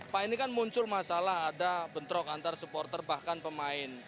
pak ini kan muncul masalah ada bentrok antar supporter bahkan pemain